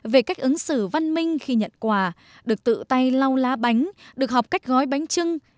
về cách ứng xử văn minh khi nhận quà được tự tay lau lá bánh được học cách gói bánh trưng